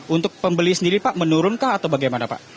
untuk pembeli sendiri pak menurunkah atau bagaimana pak